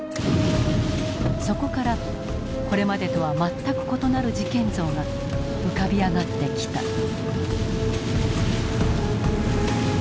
そこからこれまでとは全く異なる事件像が浮かび上がってきた。